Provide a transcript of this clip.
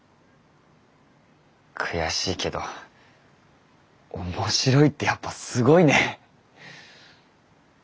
悔しいけど面白いってやっぱすごいね！